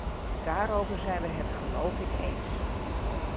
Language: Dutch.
Daarover zijn we het geloof ik eens.